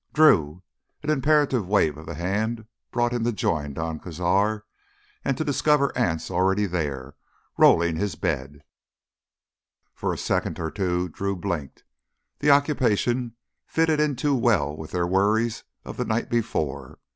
"Drew!" An imperative wave of the hand brought him to join Don Cazar and to discover Anse already there, rolling his bed. For a second or two Drew blinked—the occupation fitted in too well with their worries of the night before.